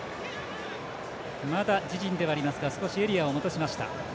まだ自陣ではありますが少しエリアを戻しました。